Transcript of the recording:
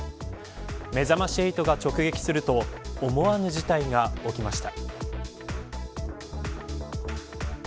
めざまし８が直撃すると思わぬ事態が起きました。